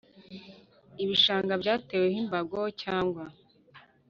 ibishanga byateweho imbago cyangwa